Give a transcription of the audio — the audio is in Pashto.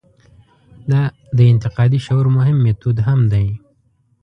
دا د انتقادي شعور مهم میتود هم دی.